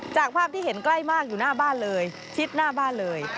จากภาพที่เห็นใกล้มากอยู่หน้าบ้านเลยชิดหน้าบ้านเลย